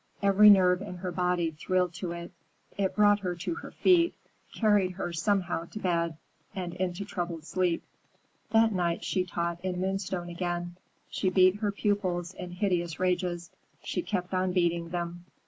Every nerve in her body thrilled to it. It brought her to her feet, carried her somehow to bed and into troubled sleep. That night she taught in Moonstone again: she beat her pupils in hideous rages, she kept on beating them.